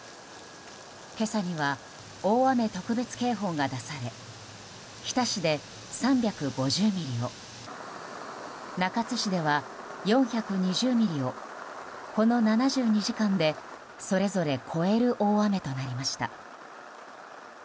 今朝には大雨特別警報が出され日田市で３５０ミリを中津市では４２０ミリをこの７２時間で、それぞれ超える大雨となりました。